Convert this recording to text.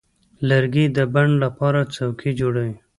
لرګی د بڼ لپاره څوکۍ جوړوي.